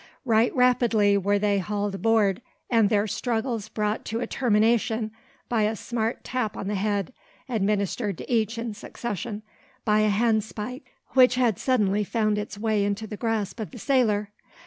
Right rapidly were they hauled aboard, and their struggles brought to a termination by a smart tap on the head administered to each in succession, by a handspike, which had suddenly found its way into the grasp of the sailor.